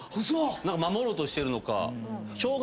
何か守ろうとしてるのか。